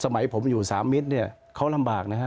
สมัยผมอยู่สามมิตรเนี่ยเขาลำบากนะฮะ